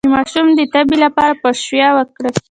د ماشوم د تبې لپاره پاشویه وکړئ